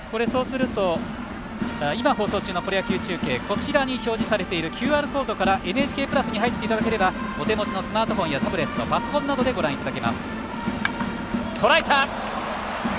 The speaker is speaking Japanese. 放送中のプロ野球中継表示されているＱＲコードから「ＮＨＫプラス」に入っていただければお手持ちのスマートフォンやタブレット、パソコンなどでご覧いただけます。